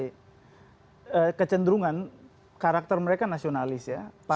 tapi kecenderungan karakter mereka nasionalis ya